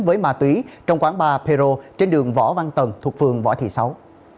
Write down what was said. với mà tùy trong quán bar pero trên đường võ văn tần thuộc phường võ thị sáu